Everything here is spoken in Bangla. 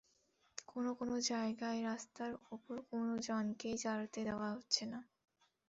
কোনো কোনো জায়গায় রাস্তার ওপর কোনো যানকেই দাঁড়াতে দেওয়া হচ্ছে না।